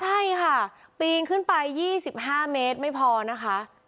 ใช่ค่ะปีนขึ้นไป๒๕เมตรไม่พอนะคะ